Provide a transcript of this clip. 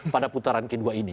pada pertemuan kedua ini